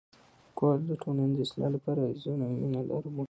لیکوال د ټولنې د اصلاح لپاره یوازې مینه لاره بولي.